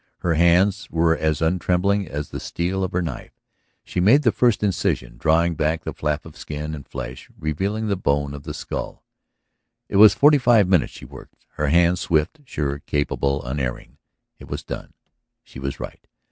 Her hands were as untrembling as the steel of her knife. She made the first incision, drawing back the flap of skin and flesh, revealing the bone of the skull. ... For forty five minutes she worked, her hands swift, sure, capable, unerring. It was done. She was right.